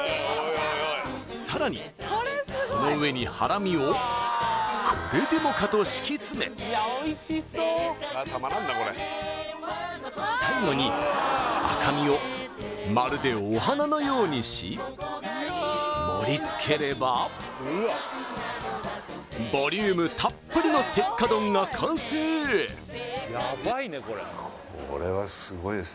さらにその上にハラミをこれでもかと敷きつめ最後に赤身をまるでお花のようにし盛りつければボリュームたっぷりの鉄華丼が完成お！